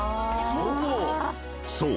［そう。